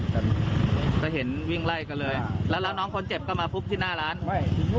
กับส่วนมาให้เห็นวิ่งไล่กันเลยแล้วแล้วน้องคนเจ็บก็เหรอคุณหน้าร้านไหม